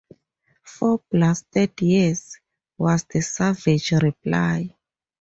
"Four blasted years," was the savage reply.